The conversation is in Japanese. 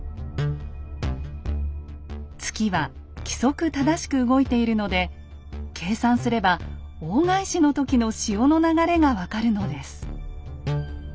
月は規則正しく動いているので計算すれば大返しの時の潮の流れがわかるのです。